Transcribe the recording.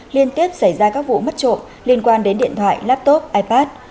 liên tiếp xảy ra các vụ mất trộm liên quan đến điện thoại laptop ipad